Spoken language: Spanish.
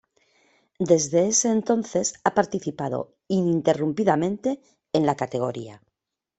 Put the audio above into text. Desde ese entonces ha participado ininterrumpidamente en la categoría.